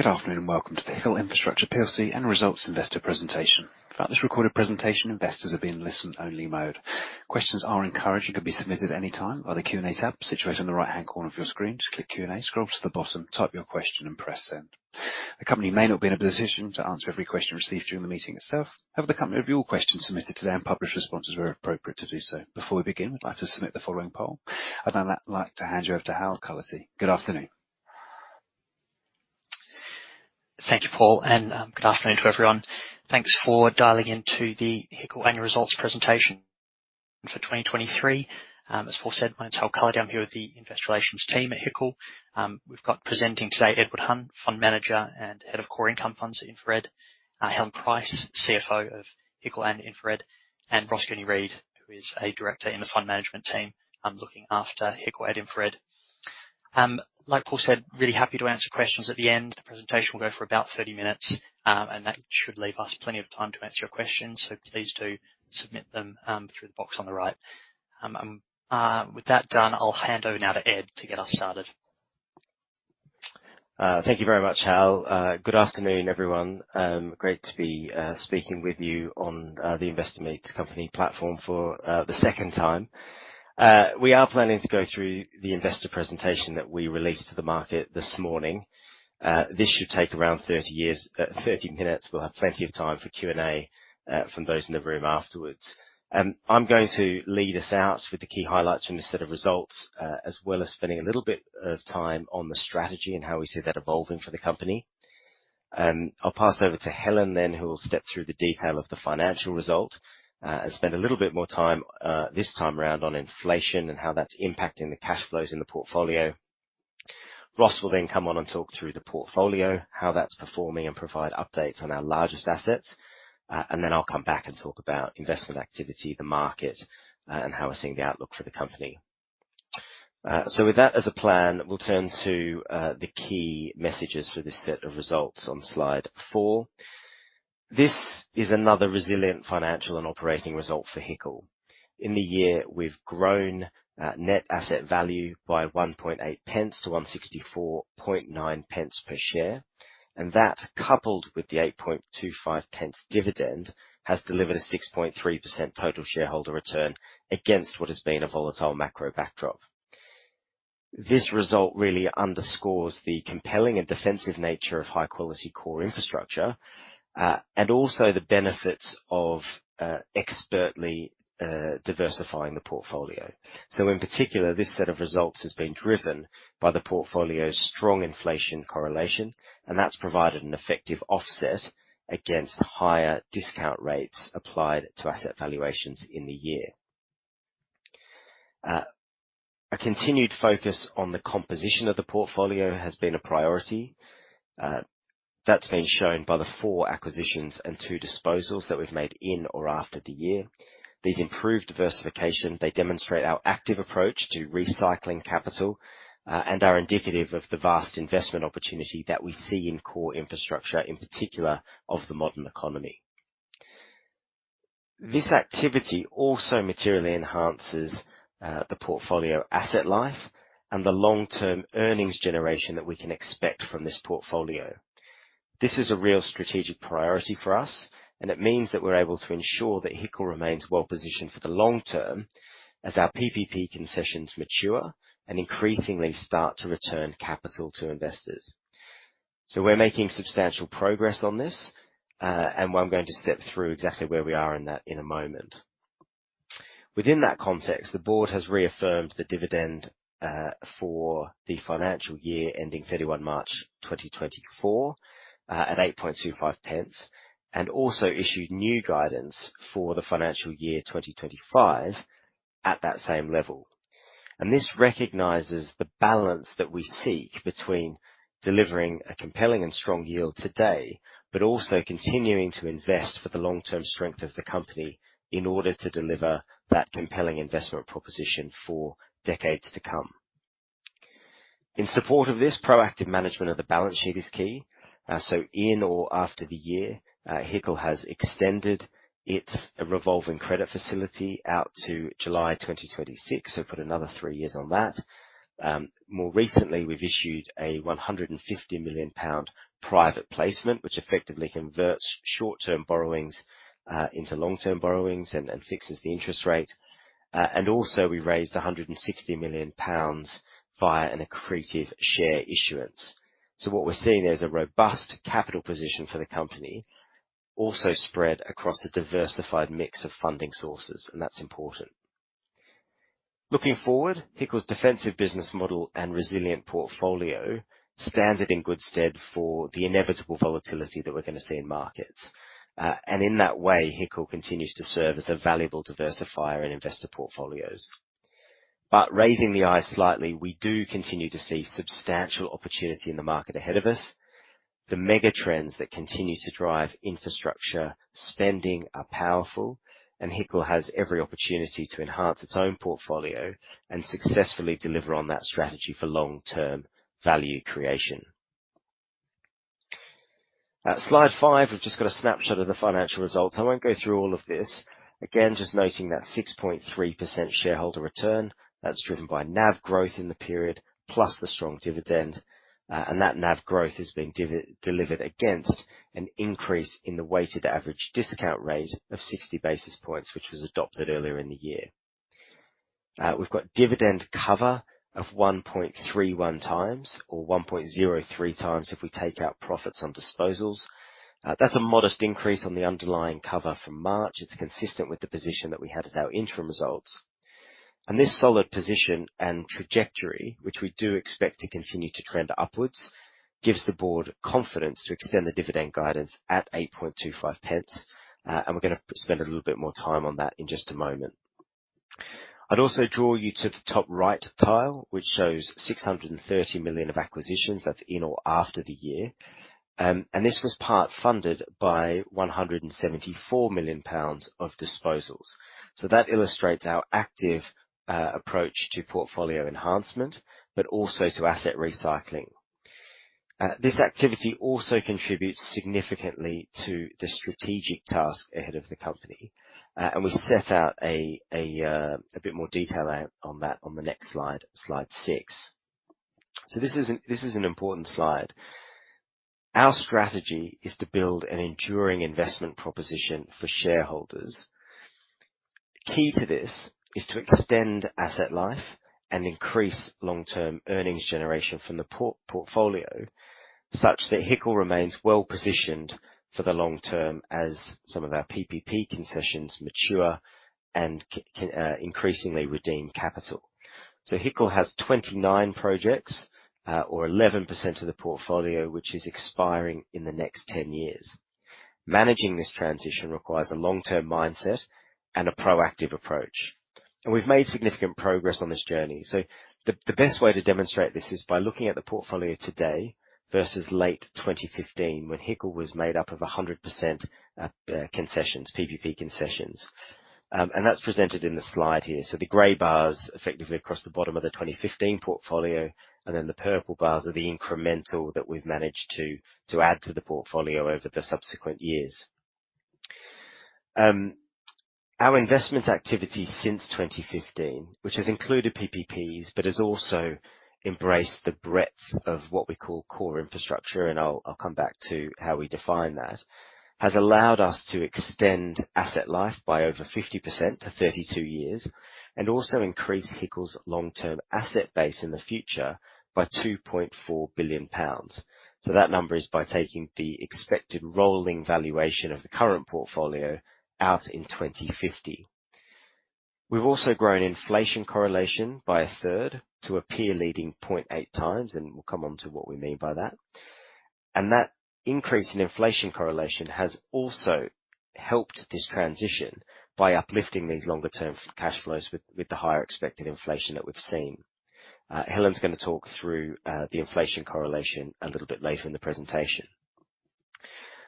Good afternoon, welcome to the HICL Infrastructure PLC annual results investor presentation. Throughout this recorded presentation, investors are being in listen-only mode. Questions are encouraged and can be submitted anytime by the Q&A tab situated on the right-hand corner of your screen just click Q&A, scroll to the bottom, type your question and press send. The company may not be in a position to answer every question received during the meeting itself. However, the company review all questions submitted to them, publish responses where appropriate to do so. Before we begin, we'd like to submit the following poll. On that note, I'd like to hand you over to Edward Hunt. Good afternoon. Thank you, Paul. Good afternoon to everyone. Thanks for dialing into the HICL annual results presentation for 2023. As Paul said, my name's Hal Cullity. I'm here with the investor relations team at HICL. We've got presenting today Edward Hunt, Fund Manager and Head of Core Income Funds at InfraRed. Helen Price, CFO of HICL and InfraRed, and Ross Reed, who is a Director in the Fund Management team, looking after HICL at InfraRed. Like Paul said, really happy to answer questions at the end. The presentation will go for about 30 minutes, that should leave us plenty of time to answer your questions. Please do submit them through the box on the right. With that done, I'll hand over now to Ed to get us started. Thank you very much, Hal. Good afternoon, everyone. Great to be speaking with you on the Investor Meet Company platform for the second time. We are planning to go through the investor presentation that we released to the market this morning. This should take around 30 minutes we'll have plenty of time for Q&A from those in the room afterwards. I'm going to lead us out with the key highlights from this set of results, as well as spending a little bit of time on the strategy and how we see that evolving for the company. I'll pass over to Helen Price then, who will step through the detail of the financial result, and spend a little bit more time this time around on inflation and how that's impacting the cash flows in the portfolio. Ross will then come on and talk through the portfolio, how that's performing, and provide updates on our largest assets. Then I'll come back and talk about investment activity, the market, and how we're seeing the outlook for the company. With that as a plan, we'll turn to the key messages for this set of results on slide four. This is another resilient financial and operating result for HICL. In the year, we've grown NAV by 0.018 t 1.649 per share. That, coupled with the 0.0825 dividend, has delivered a 6.3% total shareholder return against what has been a volatile macro backdrop. This result really underscores the compelling and defensive nature of high-quality core infrastructure, and also the benefits of expertly diversifying the portfolio. In particular, this set of results has been driven by the portfolio's strong inflation correlation, and that's provided an effective offset against higher discount rates applied to asset valuations in the year. A continued focus on the composition of the portfolio has been a priority. That's been shown by the four acquisitions and two disposals that we've made in or after the year. These improve diversification, they demonstrate our active approach to recycling capital, and are indicative of the vast investment opportunity that we see in core infrastructure, in particular of the modern economy. This activity also materially enhances the portfolio asset life and the long-term earnings generation that we can expect from this portfolio. This is a real strategic priority for us, and it means that we're able to ensure that HICL remains well-positioned for the long term as our PPP concessions mature and increasingly start to return capital to investors. We're making substantial progress on this, and I'm going to step through exactly where we are in that in a moment. Within that context, the board has reaffirmed the dividend for the financial year ending 31 March 2024 at 8.25 pence, and also issued new guidance for the financial year 2025 at that same level. This recognizes the balance that we seek between delivering a compelling and strong yield today, but also continuing to invest for the long-term strength of the company in order to deliver that compelling investment proposition for decades to come. In support of this, proactive management of the balance sheet is key. In or after the year, HICL has extended its revolving credit facility out to July 2026 put another three years on that. More recently, we've issued a 150 million pound private placement, which effectively converts short-term borrowings into long-term borrowings and fixes the interest rate. Also, we raised 160 million pounds via an accretive share issuance. What we're seeing there is a robust capital position for the company also spread across a diversified mix of funding sources, and that's important. Looking forward, HICL's defensive business model and resilient portfolio stand it in good stead for the inevitable volatility that we're going to see in markets. In that way, HICL continues to serve as a valuable diversifier in investor portfolios. Raising the eye slightly, we do continue to see substantial opportunity in the market ahead of us. The mega trends that continue to drive infrastructure spending are powerful, HICL has every opportunity to enhance its own portfolio and successfully deliver on that strategy for long-term value creation. At slide five, we've just got a snapshot of the financial results i won't go through all of this. Just noting that 6.3% shareholder return that's driven by NAV growth in the period plus the strong dividend. That NAV growth is being delivered against an increase in the weighted average discount rate of 60 basis points, which was adopted earlier in the year. We've got dividend cover of 1.31x or 1.03x if we take out profits on disposals. That's a modest increase on the underlying cover from March. It's consistent with the position that we had at our interim results. This solid position and trajectory, which we do expect to continue to trend upwards, gives the board confidence to extend the dividend guidance at 8.25 pence. We're gonna spend a little bit more time on that in just a moment. I'd also draw you to the top right tile, which shows 630 million of acquisitions that's in or after the year. This was part funded by 174 million pounds of disposals. That illustrates our active approach to portfolio enhancement, but also to asset recycling. This activity also contributes significantly to the strategic task ahead of the company. We set out a bit more detail out on that on the next slide six. This is an important slide. Our strategy is to build an enduring investment proposition for shareholders. Key to this is to extend asset life and increase long-term earnings generation from the portfolio, such that HICL remains well-positioned for the long term as some of our PPP concessions mature and increasingly redeem capital. HICL has 29 projects, or 11% of the portfolio, which is expiring in the next 10 years. Managing this transition requires a long-term mindset and a proactive approach, and we've made significant progress on this journey. The best way to demonstrate this is by looking at the portfolio today versus late 2015, when HICL was made up of 100% concessions, PPP concessions. And that's presented in the slide here t-he gray bars effectively across the bottom are the 2015 portfolio, and then the purple bars are the incremental that we've managed to add to the portfolio over the subsequent years. Our investment activity since 2015, which has included PPPs but has also embraced the breadth of what we call core infrastructure, and I'll come back to how we define that, has allowed us to extend asset life by over 50% to 32 years, and also increase HICL's long-term asset base in the future by 2.4 billion pounds. That number is by taking the expected rolling valuation of the current portfolio out in 2050. We've also grown inflation correlation by a third to a peer leading 0.8x, and we'll come on to what we mean by that. That increase in inflation correlation has also helped this transition by uplifting these longer term cash flows with the higher expected inflation that we've seen. Helen's gonna talk through the inflation correlation a little bit later in the presentation.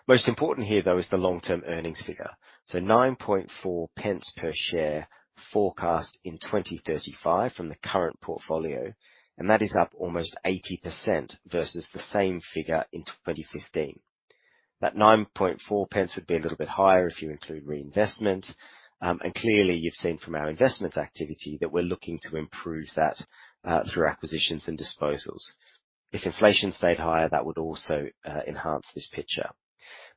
Most important here, though, is the long-term earnings figure. 9.4 pence per share forecast in 2035 from the current portfolio, and that is up almost 80% versus the same figure in 2015. That 9.4 pence would be a little bit higher if you include reinvestment. And clearly you've seen from our investment activity that we're looking to improve that through acquisitions and disposals. If inflation stayed higher, that would also enhance this picture.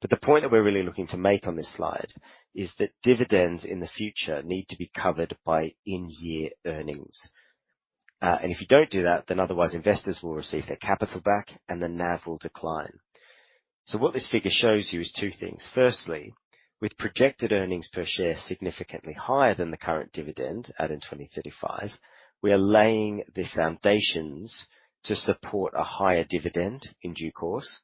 The point that we're really looking to make on this slide is that dividends in the future need to be covered by in-year earnings. And if you don't do that, then otherwise investors will receive their capital back and the NAV will decline. What this figure shows you is two things. Firstly, with projected earnings per share significantly higher than the current dividend out in 2035, we are laying the foundations to support a higher dividend in due course.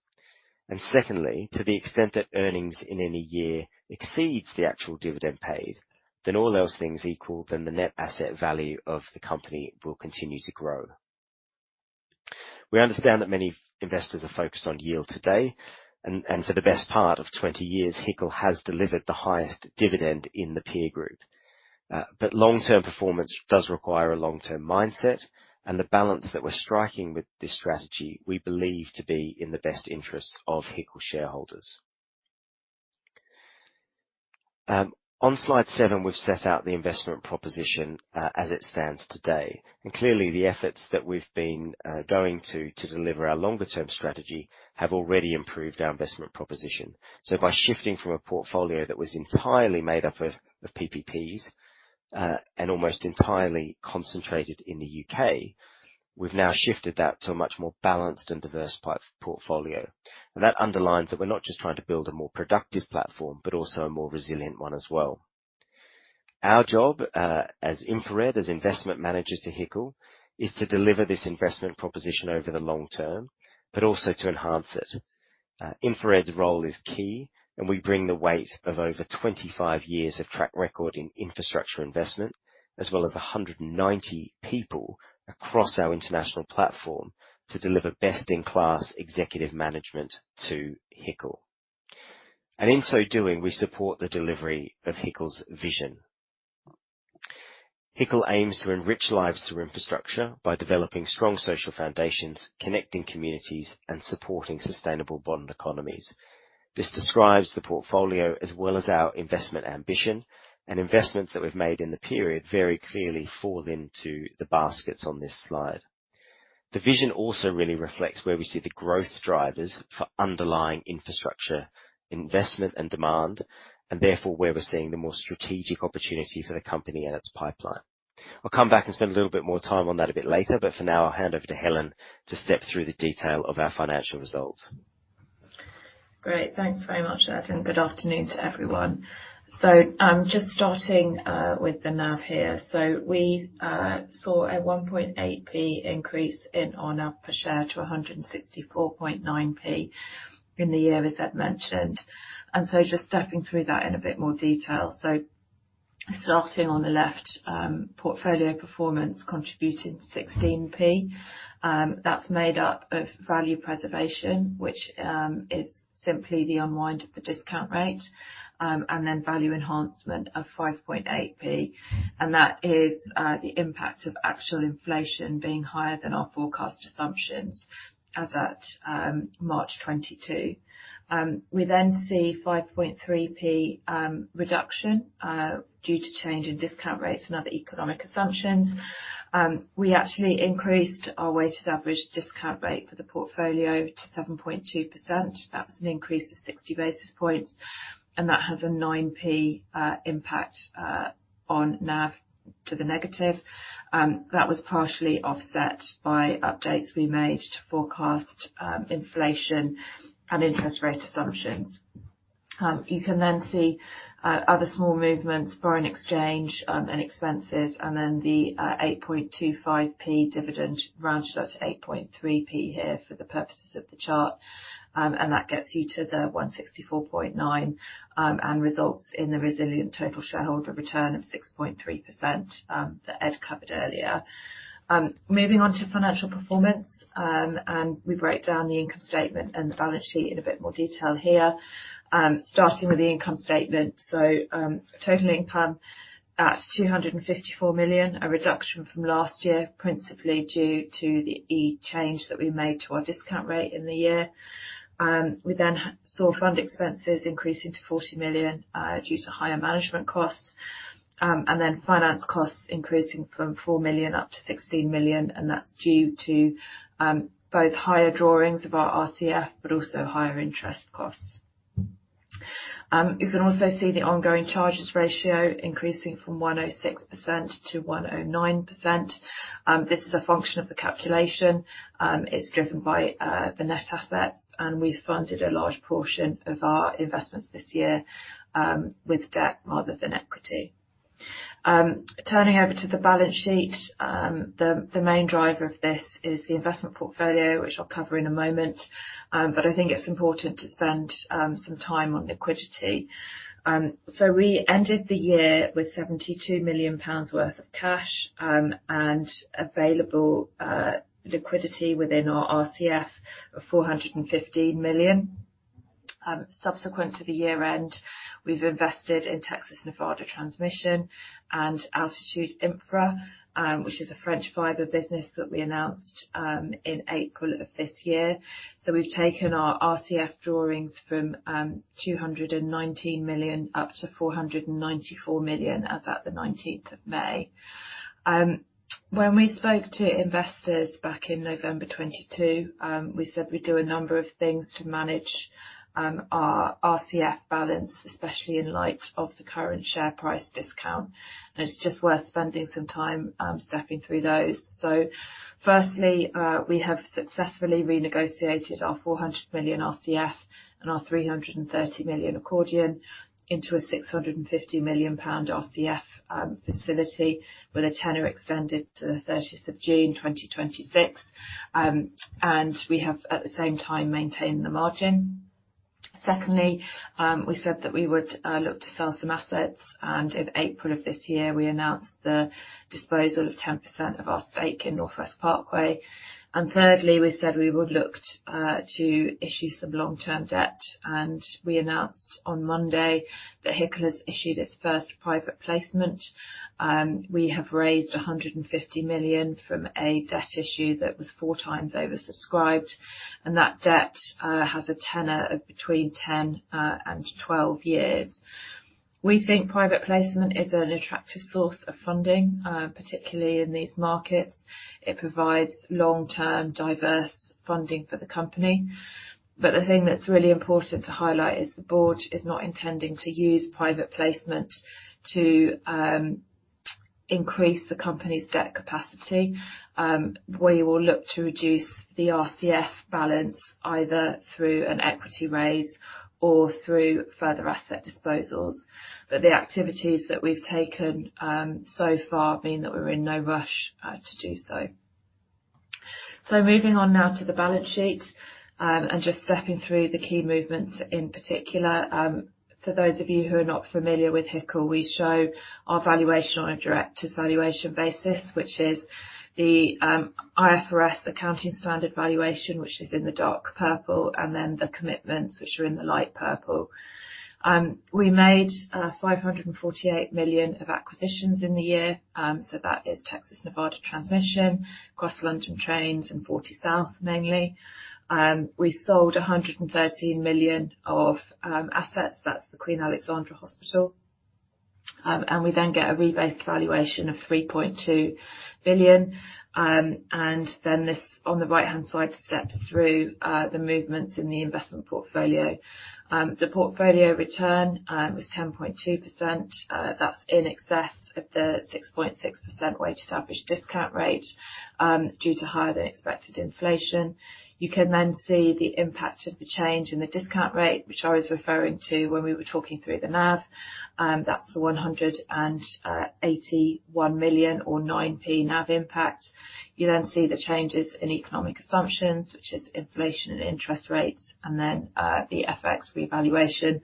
Secondly, to the extent that earnings in any year exceeds the actual dividend paid, then all those things equal, then the net asset value of the company will continue to grow. We understand that many investors are focused on yield today. For the best part of 20 years, HICL has delivered the highest dividend in the peer group. Long-term performance does require a long-term mindset, and the balance that we're striking with this strategy, we believe to be in the best interests of HICL shareholders. On slide seven, we've set out the investment proposition as it stands today. Clearly the efforts that we've been going to deliver our longer term strategy have already improved our investment proposition. By shifting from a portfolio that was entirely made up of PPPs, and almost entirely concentrated in the U.K., we've now shifted that to a much more balanced and diversified portfolio. That underlines that we're not just trying to build a more productive platform, but also a more resilient one as well. Our job, as InfraRed, as investment manager to HICL, is to deliver this investment proposition over the long term, but also to enhance it. InfraRed's role is key, and we bring the weight of over 25 years of track record in infrastructure investment, as well as 190 people across our international platform to deliver best-in-class executive management to HICL. In so doing, we support the delivery of HICL's vision. HICL aims to enrich lives through infrastructure by developing strong social foundations, connecting communities, and supporting sustainable local economies. This describes the portfolio as well as our investment ambition, and investments that we've made in the period very clearly fall into the baskets on this slide. The vision also really reflects where we see the growth drivers for underlying infrastructure investment and demand, and therefore, where we're seeing the more strategic opportunity for the company and its pipeline. I'll come back and spend a little bit more time on that a bit later. For now, I'll hand over to Helen to step through the detail of our financial results. Great. Thanks very much, Ed, and good afternoon to everyone. Just starting with the NAV here. We saw a 1.8p increase in our NAV per share to 164.9p in the year, as Ed mentioned. Just stepping through that in a bit more detail. Starting on the left, portfolio performance contributed 16p. That's made up of value preservation, which is simply the unwind of the discount rate, and then value enhancement of 5.8p. That is the impact of actual inflation being higher than our forecast assumptions as at March 2022. We then see 5.3p reduction due to change in discount rates and other economic assumptions. We actually increased our weighted average discount rate for the portfolio to 7.2%. That was an increase of 60 basis points, and that has a 9p impact on NAV to the negative. That was partially offset by updates we made to forecast inflation and interest rate assumptions. You can then see other small movements, foreign exchange and expenses, and then the 8.25p dividend rounded up to 8.3p here for the purposes of the chart. That gets you to the 164.9p and results in the resilient total shareholder return of 6.3% that Ed covered earlier. Moving on to financial performance, we break down the income statement and the balance sheet i-n a bit more detail here. Starting with the income statement. Total income at 254 million, a reduction from last year, principally due to the change that we made to our discount rate in the year. We then saw fund expenses increasing to 40 million due to higher management costs, and then finance costs increasing from 4 million up to 16 million, and that's due to both higher drawings of our RCF, but also higher interest costs. You can also see the ongoing charges ratio increasing from 1.06% to 1.09%. This is a function of the calculation. It's driven by the net assets, and we funded a large portion of our investments this year with debt rather than equity. Turning over to the balance sheet. The main driver of this is the investment portfolio, which I'll cover in a moment. I think it's important to spend some time on liquidity. We ended the year with 72 million pounds worth of cash and available liquidity within our RCF of 415 million. Subsequent to the year-end, we've invested in Texas Nevada Transmission and Altitude Infra, which is a French fiber business that we announced in April of this year. We've taken our RCF drawings from 219 to 494 million as at the 19 May. When we spoke to investors back in November 2022, we said we'd do a number of things to manage our RCF balance, especially in light of the current share price discount. It's just worth spending some time stepping through those. Firstly, we have successfully renegotiated our 400 million RCF and our 330 million accordion into a 650 million pound RCF facility with a tenor extended to the 30 June 2026. We have, at the same time, maintained the margin. Secondly, we said that we would look to sell some assets, and in April of this year, we announced the disposal of 10% of our stake in Northwest Parkway. Thirdly, we said we would look to issue some long-term debt, and we announced on Monday that HICL has issued its first private placement. We have raised 150 million from a debt issue that was four times oversubscribed, and that debt has a tenor of between 10 and 12 years. We think private placement is an attractive source of funding, particularly in these markets. It provides long-term, diverse funding for the company. The thing that's really important to highlight is the board is not intending to use private placement to increase the company's debt capacity. We will look to reduce the RCF balance either through an equity raise or through further asset disposals. The activities that we've taken so far mean that we're in no rush to do so. Moving on now to the balance sheet, and just stepping through the key movements in particular. For those of you who are not familiar with HICL, we show our valuation on a direct-to-valuation basis, which is the IFRS accounting standard valuation, which is in the dark purple, and then the commitments, which are in the light purple. We made 548 million of acquisitions in the year, that is Texas Nevada Transmission, Cross London Trains, and FortySouth, mainly. We sold 113 million of assets, that's the Queen Alexandra Hospital. We get a rebased valuation of 3.2 billion. This on the right-hand side steps through the movements in the investment portfolio. The portfolio return was 10.2%. That's in excess of the 6.6% weighted established discount rate, due to higher than expected inflation. You can then see the impact of the change in the discount rate, which I was referring to when we were talking through the NAV. That's the 181 million or 9p NAV impact. You see the changes in economic assumptions, which is inflation and interest rates, and the FX revaluation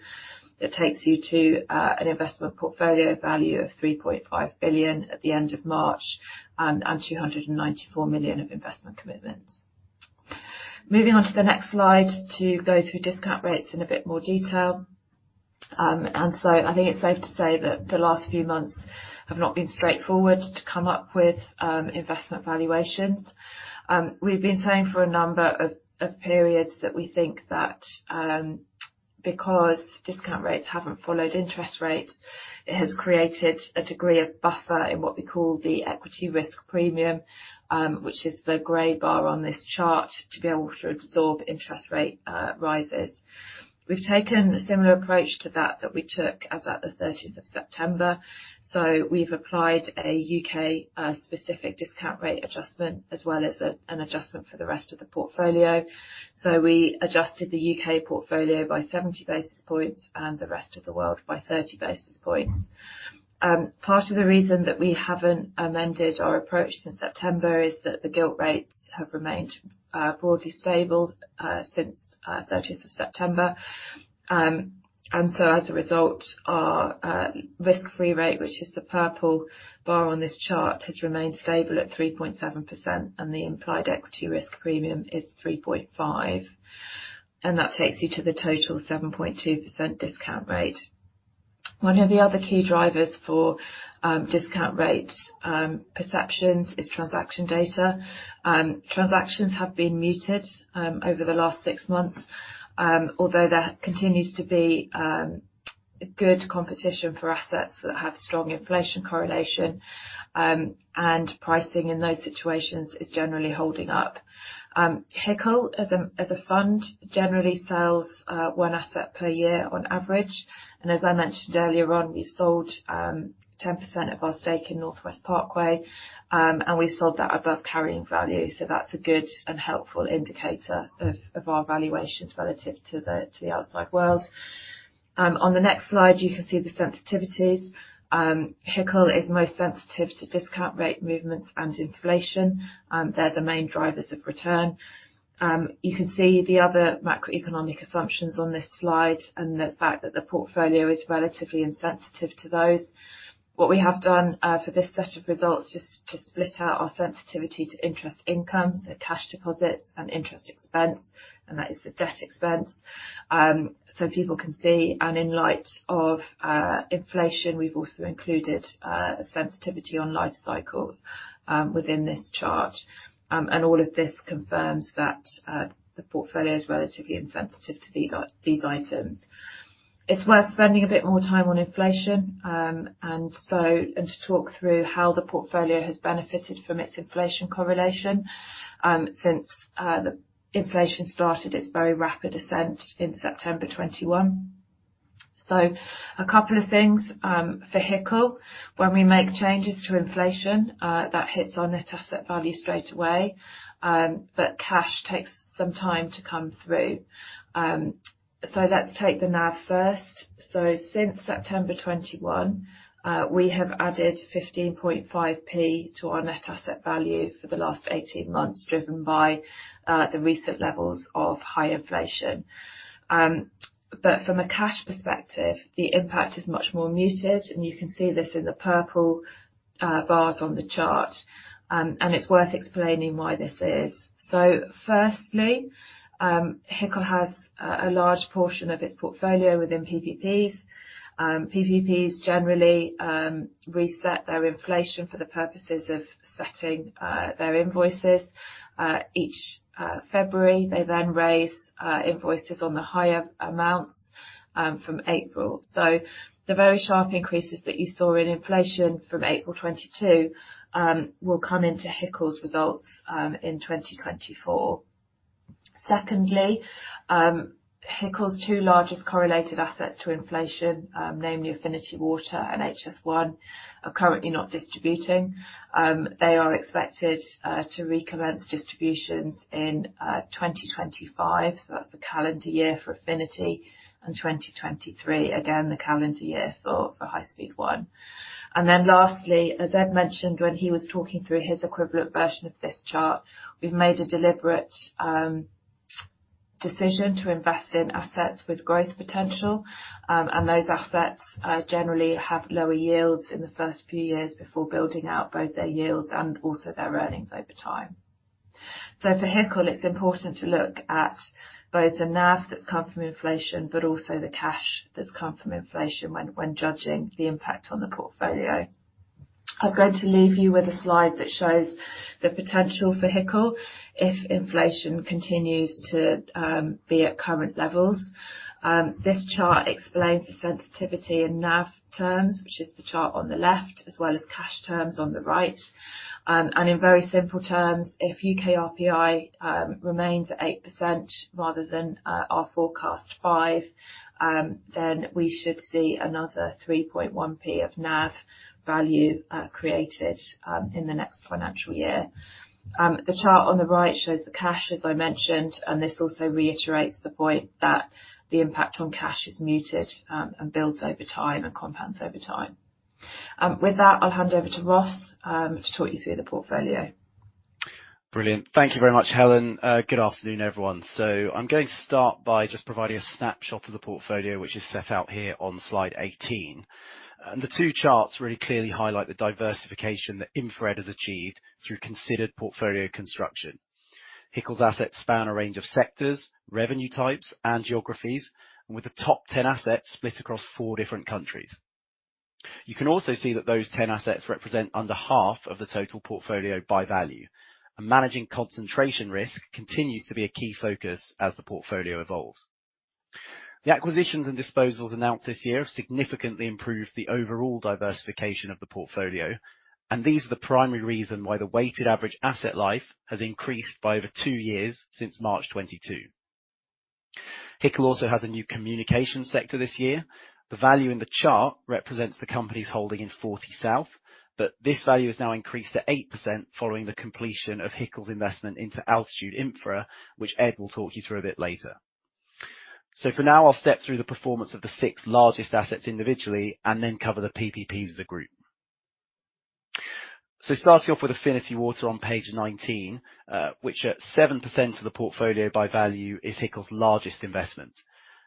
that takes you to an investment portfolio value of 3.5 billion at the end of March, and 294 million of investment commitments. Moving on to the next slide to go through discount rates in a bit more detail. I think it's safe to say that the last few months have not been straightforward to come up with investment valuations. We've been saying for a number of periods that we think that because discount rates haven't followed interest rates, it has created a degree of buffer in what we call the equity risk premium, which is the gray bar on this chart, to be able to absorb interest rate rises. We've taken a similar approach to that we took as at the 1 September. We've applied a U.K. specific discount rate adjustment, as well as an adjustment for the rest of the portfolio. We adjusted the U.K. portfolio by 70 basis points and the rest of the world by 30 basis points. Part of the reason that we haven't amended our approach since September is that the gilt rates have remained broadly stable since the 13th of September. As a result, our risk-free rate, which is the purple bar on this chart, has remained stable at 3.7%, and the implied equity risk premium is 3.5. That takes you to the total 7.2% discount rate. One of the other key drivers for discount rate perceptions is transaction data. Transactions have been muted over the last 6 months. There continues to be good competition for assets that have strong inflation correlation, and pricing in those situations is generally holding up. HICL as a fund, generally sells 1 asset per year on average. As I mentioned earlier on, we sold 10% of our stake in Northwest Parkway. We sold that above carrying value, so that's a good and helpful indicator of our valuations relative to the outside world. On the next slide, you can see the sensitivities. HICL is most sensitive to discount rate movements and inflation. They're the main drivers of return. You can see the other macroeconomic assumptions on this slide, and the fact that the portfolio is relatively insensitive to those. What we have done for this set of results is to split out our sensitivity to interest income, so cash deposits and interest expense, and that is the debt expense. People can see, and in light of inflation, we've also included a sensitivity on life cycle within this chart. All of this confirms that the portfolio is relatively insensitive to these items. It's worth spending a bit more time on inflation. To talk through how the portfolio has benefited from its inflation correlation, since the inflation started its very rapid ascent in September 2021. A couple of things for HICL. When we make changes to inflation, that hits our net asset value straight away, but cash takes some time to come through. Let's take the NAV first. Since September 2021, we have added 0.155 to our net asset value for the last 18 months, driven by the recent levels of high inflation. But from a cash perspective, the impact is much more muted, and you can see this in the purple bars on the chart. It's worth explaining why this is. Firstly, HICL has a large portion of its portfolio within PPPs. PPPs generally reset their inflation for the purposes of setting their invoices each February. They then raise invoices on the higher amounts from April. The very sharp increases that you saw in inflation from April 2022 will come into HICL's results in 2024. Secondly, HICL's two largest correlated assets to inflation, namely Affinity Water and HS1, are currently not distributing. They are expected to recommence distributions in 2025, so that's the calendar year for Affinity, and 2023, again, the calendar year for High Speed One. Lastly, as Ed mentioned when he was talking through his equivalent version of this chart, we've made a deliberate decision to invest in assets with growth potential. Those assets generally have lower yields in the first few years before building out both their yields and also their earnings over time. For HICL, it's important to look at both the NAV that's come from inflation, but also the cash that's come from inflation when judging the impact on the portfolio. I'm going to leave you with a slide that shows the potential for HICL if inflation continues to be at current levels. This chart explains the sensitivity in NAV terms, which is the chart on the left, as well as cash terms on the right. In very simple terms, if UK RPI remains at 8% rather than our forecast 5, then we should see another 3.1p of NAV value created in the next financial year. The chart on the right shows the cash, as I mentioned, and this also reiterates the point that the impact on cash is muted, and builds over time and compounds over time. With that, I'll hand over to Ross, to talk you through the portfolio. Brilliant. Thank you very much, Helen. Good afternoon, everyone. I'm going to start by just providing a snapshot of the portfolio, which is set out here on slide 18. The two charts really clearly highlight the diversification that InfraRed has achieved through considered portfolio construction. HICL's assets span a range of sectors, revenue types and geographies, and with the top 10 assets split across 4 different countries. You can also see that those 10 assets represent under half of the total portfolio by value. Managing concentration risk continues to be a key focus as the portfolio evolves. The acquisitions and disposals announced this year have significantly improved the overall diversification of the portfolio, and these are the primary reason why the weighted average asset life has increased by over 2 years since March 2022. HICL also has a new communication sector this year. The value in the chart represents the company's holding in FortySouth, this value has now increased to 8% following the completion of HICL's investment into Altitude Infra, which Ed will talk you through a bit later. For now I'll step through the performance of the six largest assets individually and then cover the PPPs as a group. Starting off with Affinity Water on page 19, which at 7% of the portfolio by value is HICL's largest investment.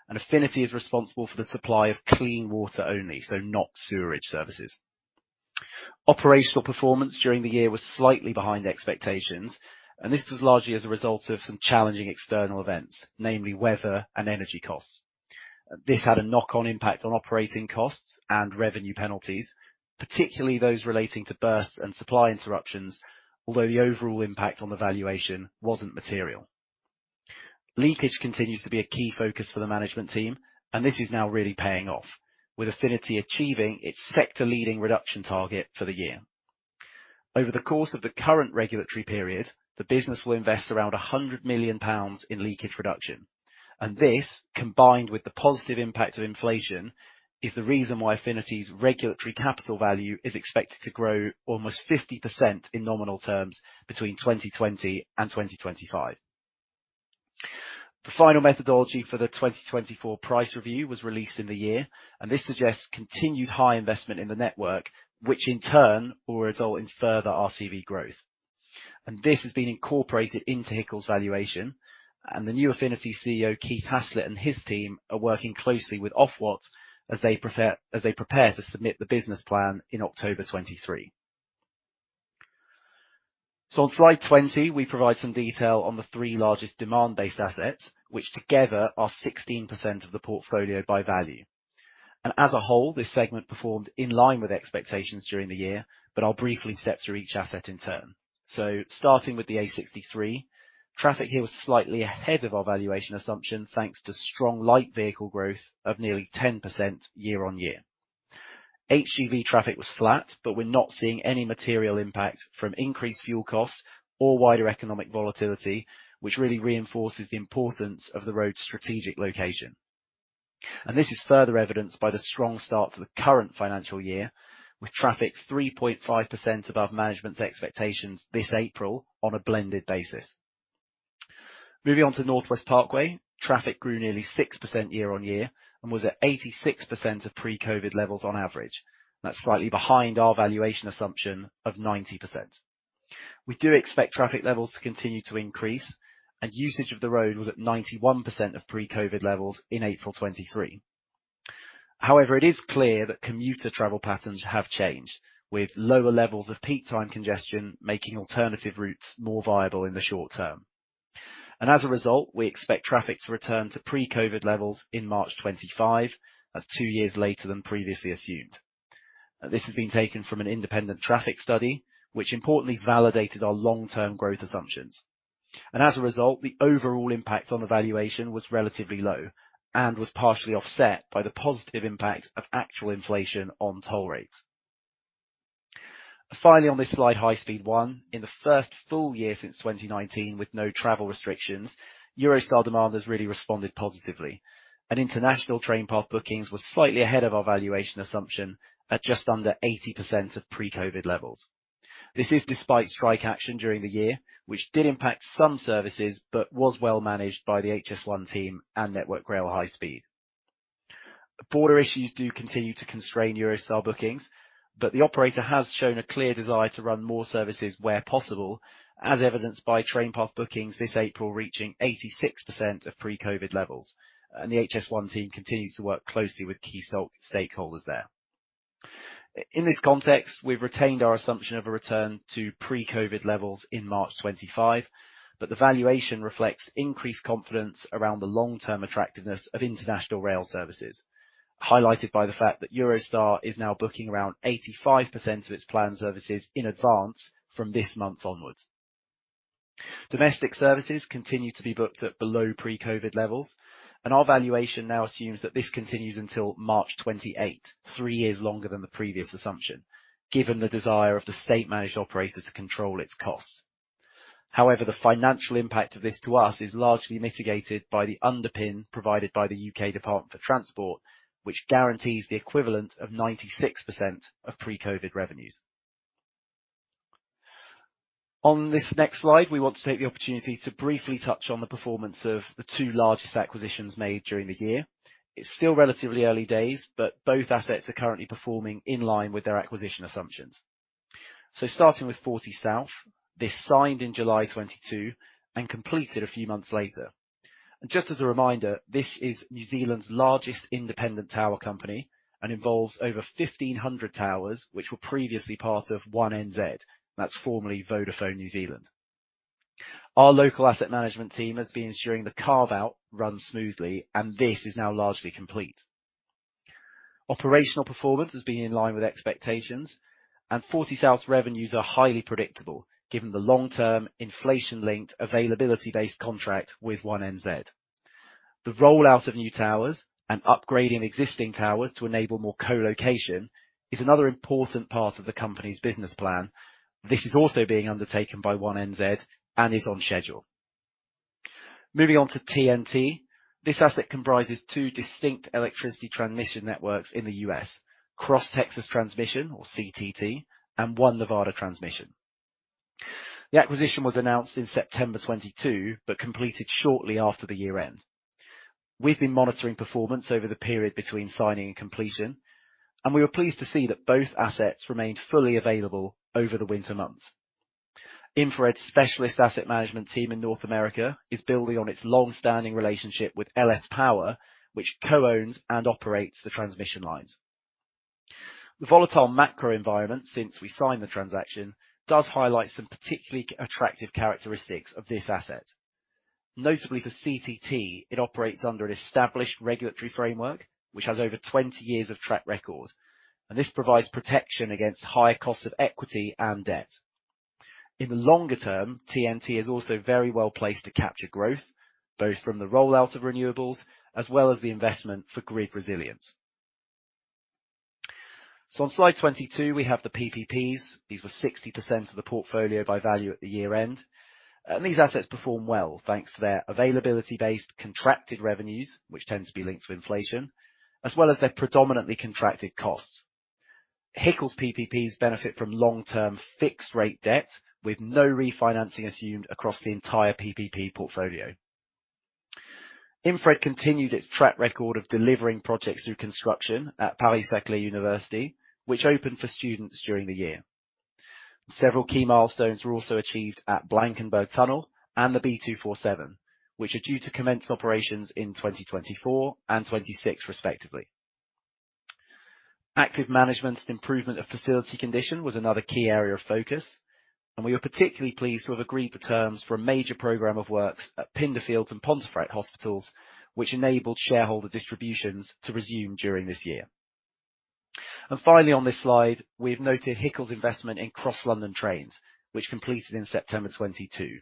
Affinity is responsible for the supply of clean water only, not sewerage services. Operational performance during the year was slightly behind expectations, this was largely as a result of some challenging external events, namely weather and energy costs. This had a knock-on impact on operating costs and revenue penalties, particularly those relating to bursts and supply interruptions. Although the overall impact on the valuation wasn't material. Leakage continues to be a key focus for the management team, and this is now really paying off, with Affinity Water achieving its sector-leading reduction target for the year. Over the course of the current regulatory period, the business will invest around 100 million pounds in leakage reduction. This, combined with the positive impact of inflation, is the reason why Affinity Water's regulatory capital value is expected to grow almost 50% in nominal terms between 2020 and 2025. The final methodology for the 2024 price review was released in the year, and this suggests continued high investment in the network, which in turn will result in further RCV growth. This has been incorporated into HICL's valuation and the new Affinity CEO, Keith Haslett and his team are working closely with Ofwat as they prepare to submit the business plan in October 2023. On slide 20, we provide some detail on the 3 largest demand-based assets, which together are 16% of the portfolio by value. As a whole, this segment performed in line with expectations during the year. I'll briefly step through each asset in turn. Starting with the A63, traffic here was slightly ahead of our valuation assumption, thanks to strong light vehicle growth of nearly 10% year-on-year. HGV traffic was flat, but we're not seeing any material impact from increased fuel costs or wider economic volatility, which really reinforces the importance of the road's strategic location. This is further evidenced by the strong start to the current financial year, with traffic 3.5% above management's expectations this April on a blended basis. Moving on to Northwest Parkway, traffic grew nearly 6% year-on-year and was at 86% of pre-COVID levels on average. That's slightly behind our valuation assumption of 90%. We do expect traffic levels to continue to increase, and usage of the road was at 91% of pre-COVID levels in April 2023. However, it is clear that commuter travel patterns have changed, with lower levels of peak time congestion making alternative routes more viable in the short term. As a result, we expect traffic to return to pre-COVID levels in March 2025. That's two years later than previously assumed. This has been taken from an independent traffic study, which importantly validated our long-term growth assumptions. As a result, the overall impact on the valuation was relatively low and was partially offset by the positive impact of actual inflation on toll rates. Finally, on this slide, High Speed 1. In the first full year since 2019, with no travel restrictions, Eurostar demand has really responded positively, and international train path bookings were slightly ahead of our valuation assumption at just under 80% of pre-COVID levels. This is despite strike action during the year, which did impact some services but was well managed by the HS1 team and Network Rail High Speed. Border issues do continue to constrain Eurostar bookings, but the operator has shown a clear desire to run more services where possible, as evidenced by train path bookings this April, reaching 86% of pre-COVID levels. The HS1 team continues to work closely with key stakeholders there. In this context, we've retained our assumption of a return to pre-COVID levels in March 2025. The valuation reflects increased confidence around the long-term attractiveness of international rail services, highlighted by the fact that Eurostar is now booking around 85% of its planned services in advance from this month onwards. Domestic services continue to be booked at below pre-COVID levels. Our valuation now assumes that this continues until March 2028, three years longer than the previous assumption, given the desire of the state-managed operator to control its costs. The financial impact of this to us is largely mitigated by the underpin provided by the UK Department for Transport, which guarantees the equivalent of 96% of pre-COVID revenues. On this next slide, we want to take the opportunity to briefly touch on the performance of the two largest acquisitions made during the year. It's still relatively early days. Both assets are currently performing in line with their acquisition assumptions. Starting with FortySouth. This signed in July 2022 and completed a few months later. Just as a reminder, this is New Zealand's largest independent tower company and involves over 1,500 towers, which were previously part of One NZ, that's formerly Vodafone New Zealand. Our local asset management team has been ensuring the carve-out runs smoothly, and this is now largely complete. Operational performance has been in line with expectations, and FortySouth revenues are highly predictable given the long-term inflation-linked availability-based contract with One NZ. The rollout of new towers and upgrading existing towers to enable more co-location is another important part of the company's business plan. This is also being undertaken by One NZ and is on schedule. Moving on to TNT. This asset comprises two distinct electricity transmission networks in the U.S., Cross Texas Transmission, or CTT, and One Nevada Transmission. The acquisition was announced in September 2022, completed shortly after the year-end. We've been monitoring performance over the period between signing and completion, we were pleased to see that both assets remained fully available over the winter months. InfraRed's specialist asset management team in North America is building on its long-standing relationship with LS Power, which co-owns and operates the transmission lines. The volatile macro environment since we signed the transaction does highlight some particularly attractive characteristics of this asset. Notably for CTT, it operates under an established regulatory framework which has over 20 years of track record, this provides protection against higher costs of equity and debt. In the longer term, TNT is also very well placed to capture growth, both from the rollout of renewables as well as the investment for grid resilience. On slide 22, we have the PPPs. These were 60% of the portfolio by value at the year-end. These assets perform well thanks to their availability-based contracted revenues, which tend to be linked to inflation, as well as their predominantly contracted costs. HICL's PPPs benefit from long-term fixed rate debt with no refinancing assumed across the entire PPP portfolio. InfraRed continued its track record of delivering projects through construction at Paris-Saclay University, which opened for students during the year. Several key milestones were also achieved at Blankenburg Tunnel and the B247, which are due to commence operations in 2024 and 2026 respectively. Active management and improvement of facility condition was another key area of focus, we were particularly pleased to have agreed the terms for a major program of works at Pinderfields and Pontefract hospitals, which enabled shareholder distributions to resume during this year. Finally, on this slide, we've noted HICL's investment in Cross London Trains, which completed in September 2022.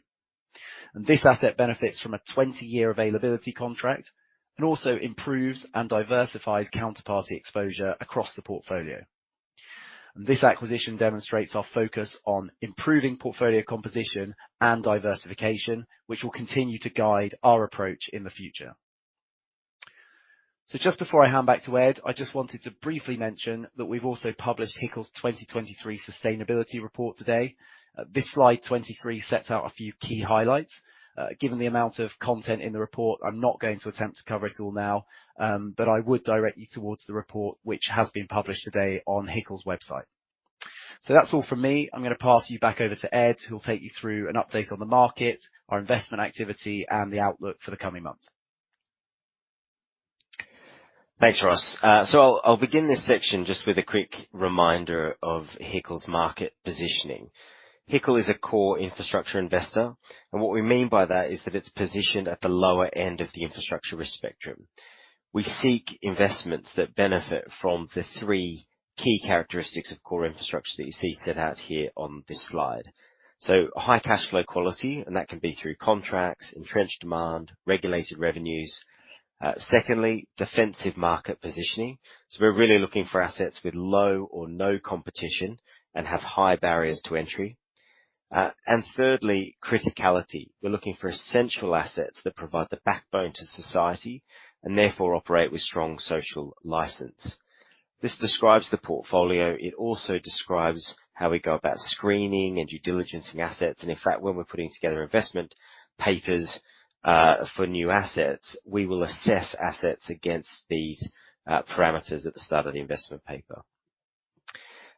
This asset benefits from a 20-year availability contract and also improves and diversifies counterparty exposure across the portfolio. This acquisition demonstrates our focus on improving portfolio composition and diversification, which will continue to guide our approach in the future. Just before I hand back to Ed, I just wanted to briefly mention that we've also published HICL's 2023 sustainability report today. This slide 23 sets out a few key highlights. Given the amount of content in the report, I'm not going to attempt to cover it all now, but I would direct you towards the report, which has been published today on HICL's website. That's all from me. I'm gonna pass you back over to Ed, who'll take you through an update on the market, our investment activity, and the outlook for the coming months. Thanks, Ross. I'll begin this section just with a quick reminder of HICL's market positioning. HICL is a core infrastructure investor, and what we mean by that is that it's positioned at the lower end of the infrastructure risk spectrum. We seek investments that benefit from the three key characteristics of core infrastructure that you see set out here on this slide. High cash flow quality, and that can be through contracts, entrenched demand, regulated revenues. Secondly, defensive market positioning. We're really looking for assets with low or no competition and have high barriers to entry. Thirdly, criticality. We're looking for essential assets that provide the backbone to society and therefore operate with strong social license. This describes the portfolio. It also describes how we go about screening and due diligencing assets. In fact, when we're putting together investment papers, for new assets, we will assess assets against these parameters at the start of the investment paper.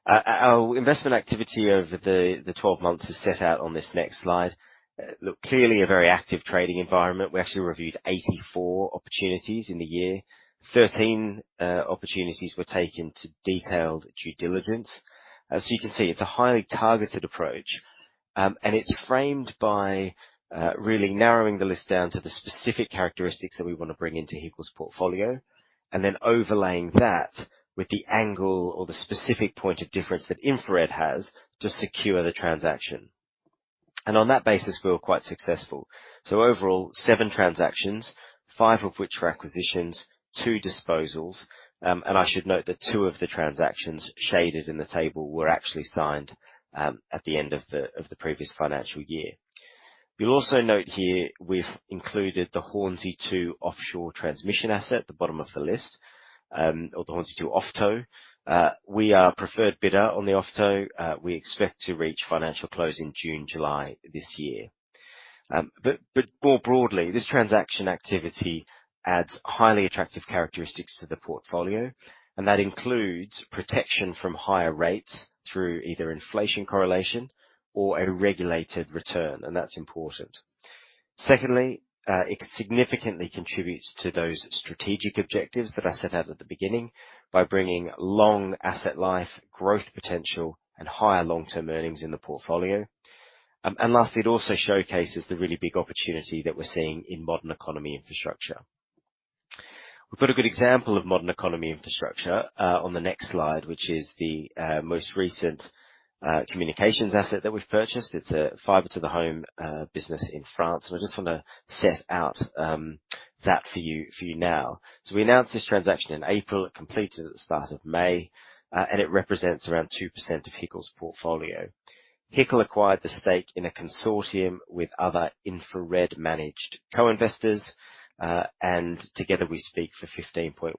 Our investment activity over the 12 months is set out on this next slide. Look, clearly a very active trading environment. We actually reviewed 84 opportunities in the year. 13 opportunities were taken to detailed due diligence. As you can see, it's a highly targeted approach. It's framed by really narrowing the list down to the specific characteristics that we wanna bring into HICL's portfolio, and then overlaying that with the angle or the specific point of difference that InfraRed has to secure the transaction. On that basis, we were quite successful. Overall, seven transactions, five of which were acquisitions, two disposals. I should note that two of the transactions shaded in the table were actually signed, at the end of the previous financial year. You'll also note here we've included the Hornsea Two offshore transmission asset at the bottom of the list, or the Hornsea II OFTO. We are preferred bidder on the OFTO. We expect to reach financial close in June, July this year. More broadly, this transaction activity adds highly attractive characteristics to the portfolio, and that includes protection from higher rates through either inflation correlation or a regulated return, and that's important. Secondly, it significantly contributes to those strategic objectives that I set out at the beginning by bringing long asset life, growth potential, and higher long-term earnings in the portfolio. Lastly, it also showcases the really big opportunity that we're seeing in modern economy infrastructure. We've got a good example of modern economy infrastructure on the next slide, which is the most recent communications asset that we've purchased it's a fiber to the home business in France i just wanna set out that for you now. We announced this transaction in April. It completed at the start of May, and it represents around 2% of HICL's portfolio. HICL acquired the stake in a consortium with other InfraRed-managed co-investors, and together we speak for 15.1%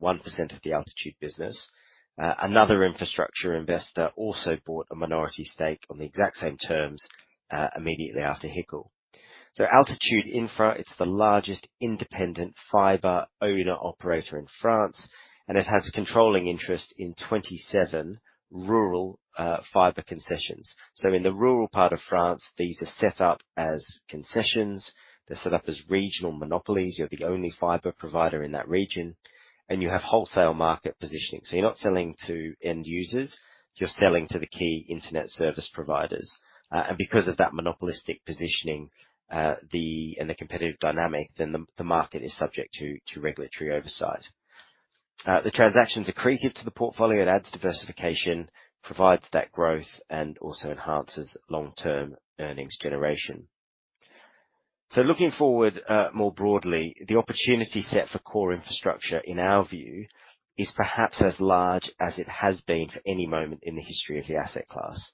of the Altitude business. Another infrastructure investor also bought a minority stake on the exact same terms immediately after HICL. Altitude Infra, it's the largest independent fiber owner/operator in France, and it has controlling interest in 27 rural fiber concessions. In the rural part of France, these are set up as concessions. They're set up as regional monopolies you're the only fiber provider in that region, and you have wholesale market positioning you're not selling to end users, you're selling to the key internet service providers. And because of that monopolistic positioning, and the competitive dynamic, then the market is subject to regulatory oversight. The transaction's accretive to the portfolio it adds diversification, provides that growth, and also enhances long-term earnings generation. Looking forward, more broadly, the opportunity set for core infrastructure in our view is perhaps as large as it has been for any moment in the history of the asset class.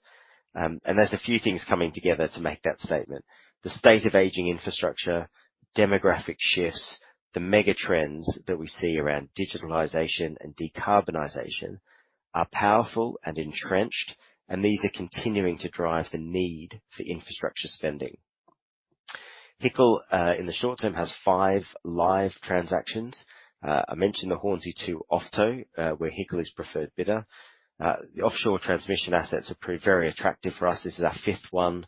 There's a few things coming together to make that statement. The state of aging infrastructure, demographic shifts, the mega trends that we see around digitalization and decarbonization are powerful and entrenched, and these are continuing to drive the need for infrastructure spending. HICL, in the short term, has five live transactions. I mentioned the Hornsea II OFTO, where HICL is preferred bidder. The offshore transmission assets are very attractive for us this is our fifth one.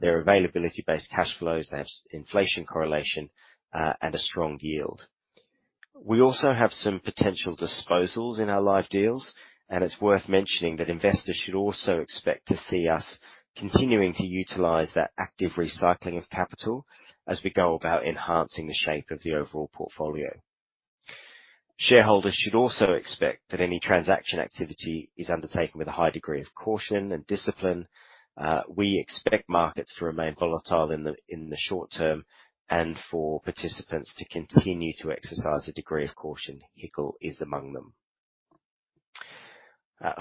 They're availability-based cash flows they have inflation correlation and a strong yield. We also have some potential disposals in our live deals, and it's worth mentioning that investors should also expect to see us continuing to utilize that active recycling of capital as we go about enhancing the shape of the overall portfolio. Shareholders should also expect that any transaction activity is undertaken with a high degree of caution and discipline. We expect markets to remain volatile in the, in the short term, and for participants to continue to exercise a degree of caution HICL is among them.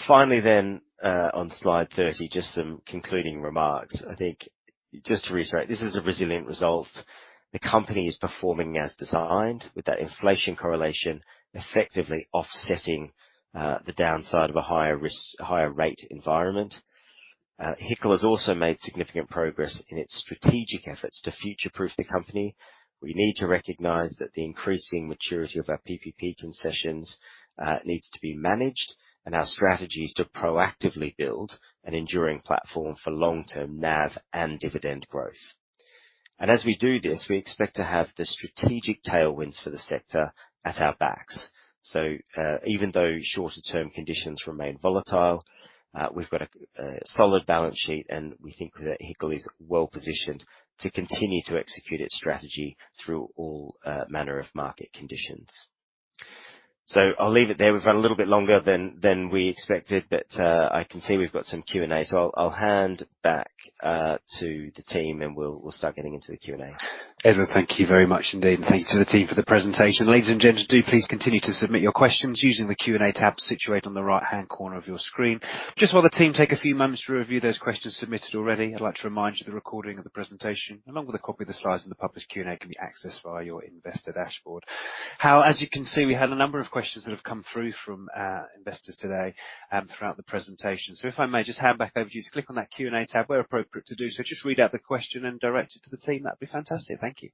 Finally, then, on Slide 30, just some concluding remarks. I think just to reiterate, this is a resilient result. The company is performing as designed with that inflation correlation effectively offsetting the downside of a higher risk, higher rate environment. HICL has also made significant progress in its strategic efforts to future-proof the company. We need to recognize that the increasing maturity of our PPP concessions needs to be managed, and our strategy is to proactively build an enduring platform for long-term NAV and dividend growth. As we do this, we expect to have the strategic tailwinds for the sector at our backs. Even though shorter-term conditions remain volatile, we've got a solid balance sheet, and we think that HICL is well-positioned to continue to execute its strategy through all manner of market conditions. I'll leave it there we've run a little bit longer than we expected, but I can see we've got some Q&A. I'll hand back to the team, and we'll start getting into the Q&A. Edward, thank you very much indeed thank you to the team for the presentation ladies and gents, do please continue to submit your questions using the Q&A tab situated on the right-hand corner of your screen. Just while the team take a few moments to review those questions submitted already, I'd like to remind you the recording of the presentation, along with a copy of the slides and the published Q&A, can be accessed via your investor dashboard. Hal, as you can see, we have a number of questions that have come through from our investors today, throughout the presentation. If I may just hand back over to you to click on that Q&A tab, where appropriate to do so, just read out the question and direct it to the team that'd be fantastic. Thank you.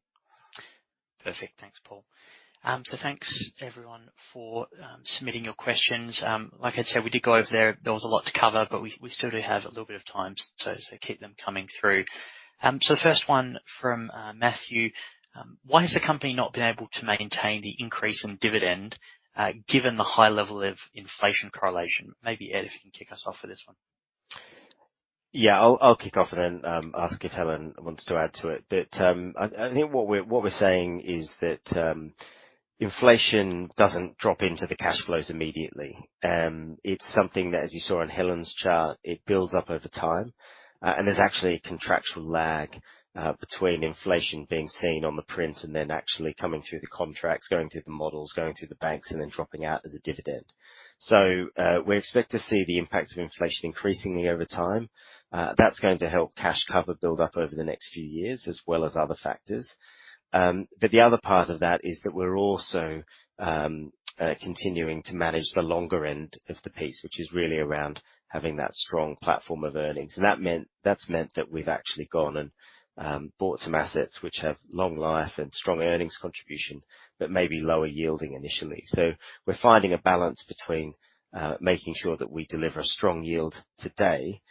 Perfect. Thanks, Paul. Thanks everyone for submitting your questions. Like I said, we did go over there. There was a lot to cover, but we still do have a little bit of time, so keep them coming through. The first one from Matthew: Why has the company not been able to maintain the increase in dividend, given the high level of inflation correlation? Maybe, Ed, if you can kick us off for this one. I'll kick off and then ask if Helen wants to add to it. I think what we're, what we're saying is that inflation doesn't drop into the cash flows immediately. It's something that, as you saw in Helen's chart, it builds up over time. And there's actually a contractual lag between inflation being seen on the print and then actually coming through the contracts, going through the models, going through the banks, and then dropping out as a dividend. We expect to see the impact of inflation increasingly over time. That's going to help cash cover build up over the next few years, as well as other factors. The other part of that is that we're also, continuing to manage the longer end of the piece, which is really around having that strong platform of earnings that's meant that we've actually gone and bought some assets which have long life and strong earnings contribution, but may be lower yielding initially. We're finding a balance between making sure that we deliver a strong yield today,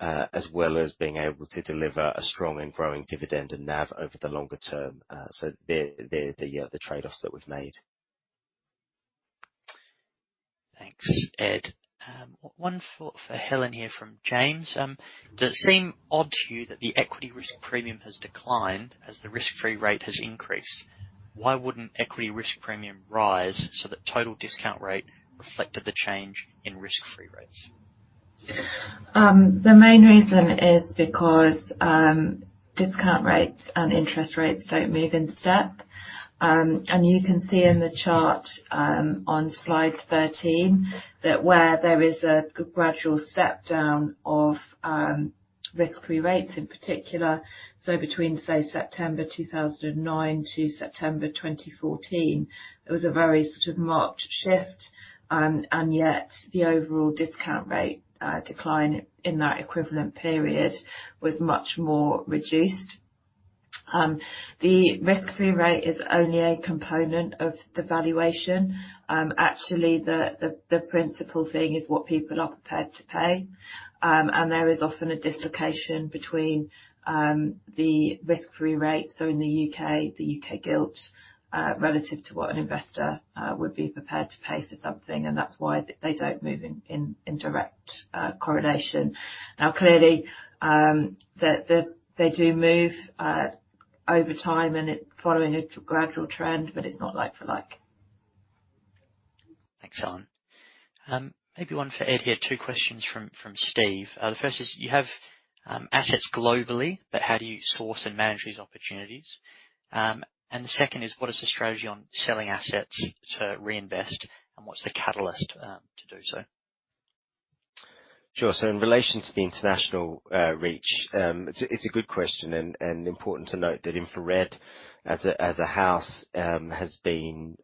as well as being able to deliver a strong and growing dividend and NAV over the longer term. So they're the trade-offs that we've made. Thanks, Ed. One for Helen here from James. Does it seem odd to you that the equity risk premium has declined as the risk-free rate has increased? Why wouldn't equity risk premium rise so that total discount rate reflected the change in risk-free rates? The main reason is because discount rates and interest rates don't move in step. You can see in the chart on slide 13 that where there is a gradual step down of risk-free rates in particular, so between, say, September 2009 to September 2014, there was a very sort of marked shift. Yet the overall discount rate decline in that equivalent period was much more reduced. The risk-free rate is only a component of the valuation. Actually the principal thing is what people are prepared to pay. There is often a dislocation between the risk-free rate, so in the UK, the UK gilt, relative to what an investor would be prepared to pay for something, and that's why they don't move in direct correlation. Clearly, they do move over time and following a gradual trend, but it's not like for like. Thanks, Helen. Maybe one for Ed here. Two questions from Steve. The first is you have assets globally, but how do you source and manage these opportunities? The second is what is the strategy on selling assets to reinvest, and what's the catalyst to do so? Sure. In relation to the international reach, it's a good question and important to note that Infrastructure as a house has been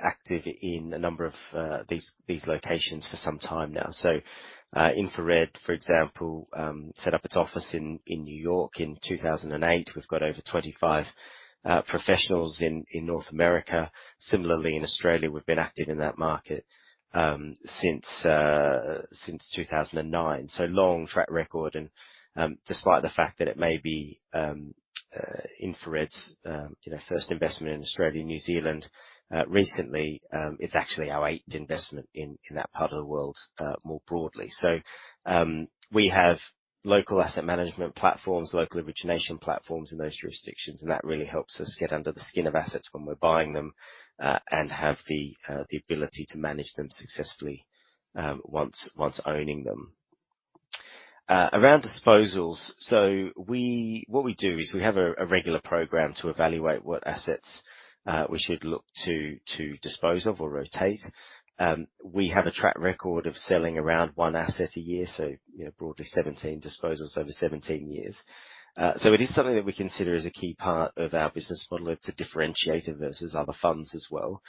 active in a number of these locations for some time now. InfraRed, for example, set up its office in New York in 2008 we've got over 25 professionals in North America. Similarly, in Australia, we've been active in that market since 2009. Long track record and despite the fact that it may be InfraRed's, you know, first investment in Australia and New Zealand recently, it's actually our 8th investment in that part of the world more broadly. We have local asset management platforms, local origination platforms in those jurisdictions, and that really helps us get under the skin of assets when we're buying them, and have the ability to manage them successfully, once owning them. Around disposals, what we do is we have a regular program to evaluate what assets we should look to dispose of or rotate. We have a track record of selling around one asset a year, so, you know, broadly 17 disposals over 17 years. It is something that we consider as a key part of our business model it's a differentiator versus other funds as well.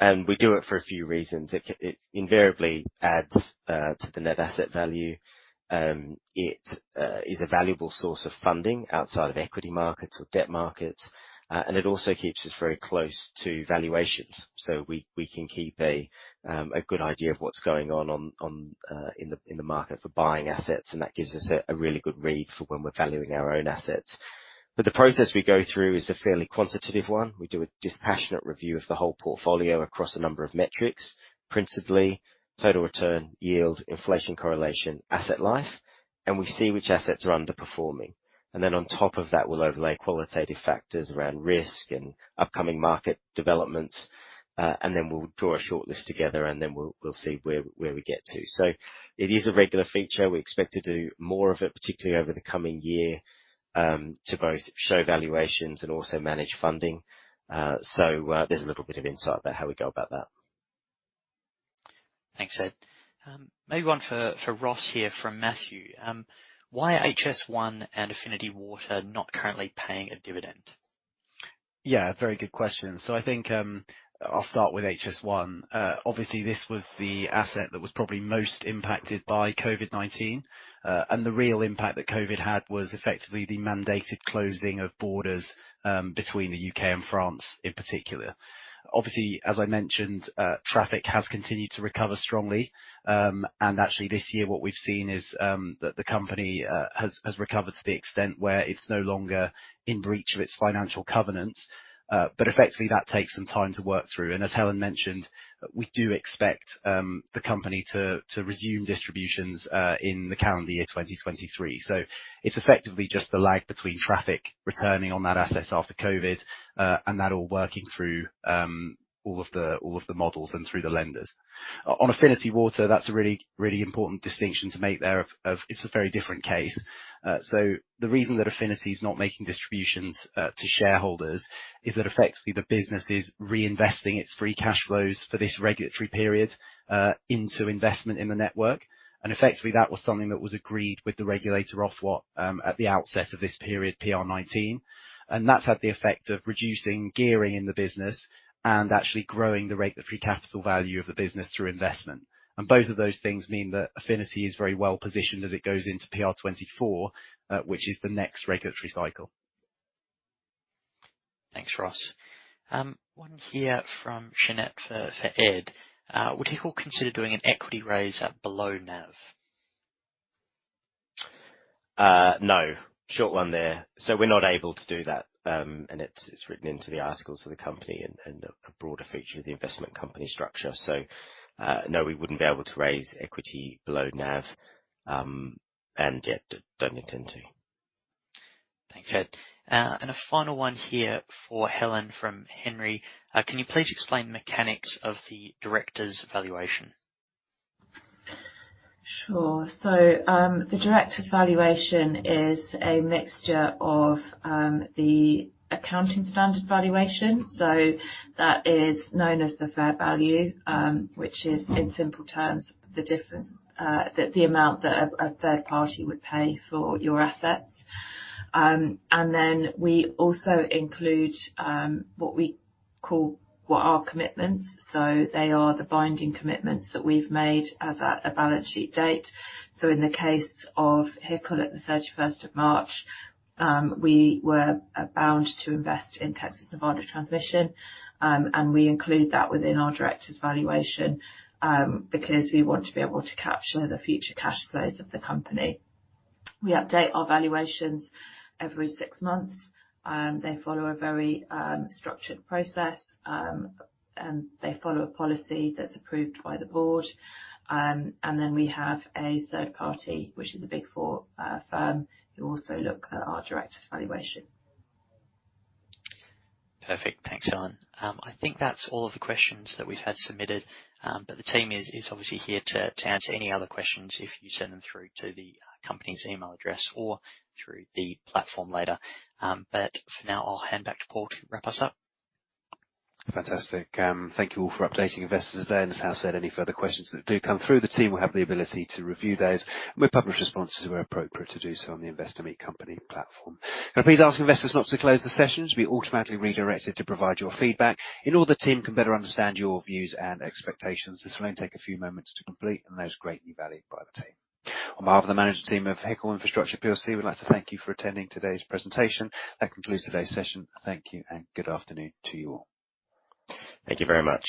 We do it for a few reasons it invariably adds to the net asset value. It is a valuable source of funding outside of equity markets or debt markets. It also keeps us very close to valuations. We can keep a good idea of what's going on in the market for buying assets, and that gives us a really good read for when we're valuing our own assets. The process we go through is a fairly quantitative one we do a dispassionate review of the whole portfolio across a number of metrics, principally total return, yield, inflation correlation, asset life, and we see which assets are underperforming. On top of that, we'll overlay qualitative factors around risk and upcoming market developments, and then we'll draw a shortlist together and then we'll see where we get to. It is a regular feature we expect to do more of it, particularly over the coming year, to both show valuations and also manage funding. There's a little bit of insight about how we go about that. Thanks, Ed. Maybe one for Ross here from Matthew. Why are HS1 and Affinity Water not currently paying a dividend? Yeah, very good question. I think I'll start with HS1. Obviously this was the asset that was probably most impacted by COVID-19. The real impact that COVID had was effectively the mandated closing of borders, between the UK and France in particular. Obviously, as I mentioned, traffic has continued to recover strongly. Actually this year what we've seen is that the company has recovered to the extent where it's no longer in breach of its financial covenants. But effectively, that takes some time to work through as Helen mentioned, we do expect the company to resume distributions in the calendar year 2023. It's effectively just the lag between traffic returning on that asset after COVID, and that all working through all of the models and through the lenders. On Affinity Water, that's a really, really important distinction to make there of it's a very different case. The reason that Affinity is not making distributions to shareholders is that effectively the business is reinvesting its free cash flows for this regulatory period into investment in the network. Effectively, that was something that was agreed with the regulator Ofwat at the outset of this period, PR19. That's had the effect of reducing gearing in the business and actually growing the Regulatory Capital Value of the business through investment. Both of those things mean that Affinity is very well positioned as it goes into PR24, which is the next regulatory cycle. Thanks, Ross. One here from Sherene for Ed. Would HICL consider doing an equity raise at below NAV? No. Short one there. We're not able to do that, and it's written into the articles of the company and a broader feature of the investment company structure. No, we wouldn't be able to raise equity below NAV, and yeah, don't intend to. Thanks, Ed. A final one here for Helen from Henry. Can you please explain the mechanics of the director's valuation? Sure. The director's valuation is a mixture of the accounting standard valuation, so that is known as the fair value, which is in simple terms, the difference, the amount that a third party would pay for your assets. Then we also include what we call what are commitments. They are the binding commitments that we've made as at a balance sheet date. In the case of HICL at the 31 March, we were bound to invest in Texas Nevada Transmission. We include that within our director's valuation, because we want to be able to capture the future cash flows of the company. We update our valuations every six months. They follow a very structured process, and they follow a policy that's approved by the board. Then we have a third party, which is a Big Four firm, who also look at our director's valuation. Perfect. Thanks, Helen. I think that's all of the questions that we've had submitted. The team is obviously here to answer any other questions if you send them through to the company's email address or through the platform later. For now, I'll hand back to Paul to wrap us up. Fantastic. Thank you all for updating investors there as Hal said, any further questions that do come through, the team will have the ability to review those, and we'll publish responses where appropriate, to do so on the Investor Meet Company platform. Can I please ask investors not to close the session, as you'll be automatically redirected to provide your feedback in order the team can better understand your views and expectations. This will only take a few moments to complete and those greatly valued by the team. On behalf of the management team of HICL Infrastructure PLC, we'd like to thank you for attending today's presentation. That concludes today's session. Thank you and good afternoon to you all. Thank you very much.